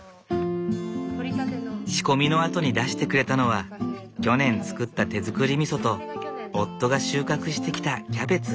仕込みのあとに出してくれたのは去年作った手づくりみそと夫が収穫してきたキャベツ。